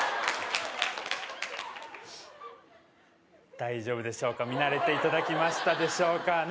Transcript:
大丈夫でしょうか見慣れていただきましたでしょうかね